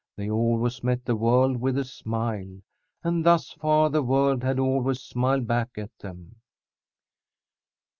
They always met the world with a smile, and thus far the world had always smiled back at them.